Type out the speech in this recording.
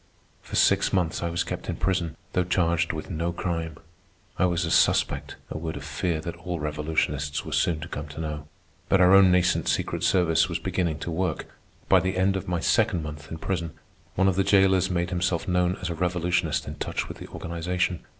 For six months I was kept in prison, though charged with no crime. I was a suspect—a word of fear that all revolutionists were soon to come to know. But our own nascent secret service was beginning to work. By the end of my second month in prison, one of the jailers made himself known as a revolutionist in touch with the organization.